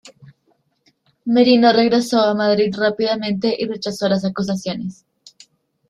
Merino regresó a Madrid rápidamente y rechazó las acusaciones.